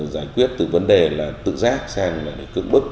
giải quyết từ vấn đề là tự rác sang cưỡng bức